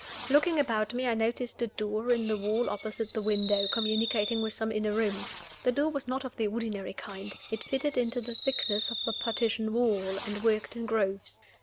Looking about me, I noticed a door in the wall opposite the window, communicating with some inner room. The door was not of the ordinary kind. It fitted into the thickness of the partition wall, and worked in grooves.